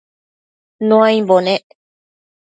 Nuaimbo nec